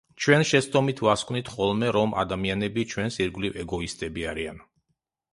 ჩვენ შეცდომით ვასკვნით ხოლმე, რომ ადამიანები ჩვენს ირგვლივ ეგოისტები არიან.